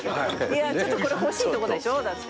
いやちょっとこれ欲しいとこでしょ？だって。